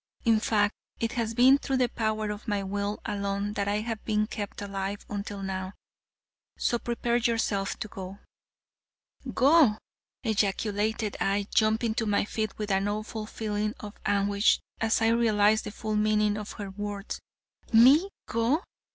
In fact, it has been through the power of my will alone that I have been kept alive until now. So prepare yourself to go." "Go!" ejaculated I, jumping to my feet with an awful feeling of anguish as I realized the full meaning of her words. "Me, go?